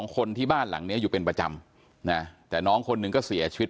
คนที่บ้านหลังนี้อยู่เป็นประจำนะแต่น้องคนหนึ่งก็เสียชีวิต